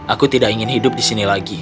aku tidak ingin hidup disini lagi